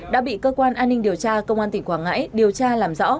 đã bị cơ quan an ninh điều tra công an tỉnh quảng ngãi điều tra làm rõ